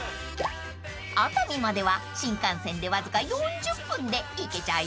［熱海までは新幹線でわずか４０分で行けちゃいます］